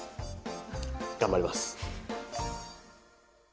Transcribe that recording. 頑張ります。